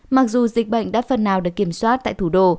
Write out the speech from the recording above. mặc dù dịch bệnh đã phần nào được kiểm soát tại thủ đô